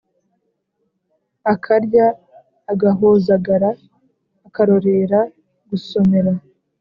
akarya agahozagara akarorera gusomera!